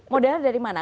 modalnya dari mana